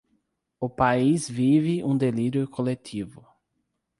O país vive um delírio coletivo